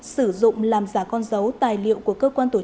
sử dụng làm giả con dấu tài liệu của cơ quan tổ chức